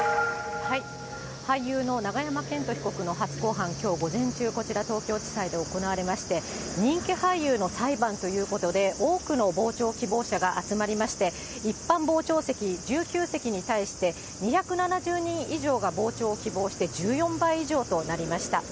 俳優の永山絢斗被告の初公判、きょう午前中、こちら東京地裁で行われまして、人気俳優の裁判ということで多くの傍聴希望者が集まりまして、一般傍聴席１９席に対して、２７０人以上が傍聴を希望して１４倍以上となりました。